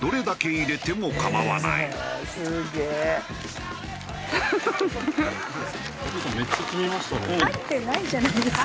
入ってないじゃないですか。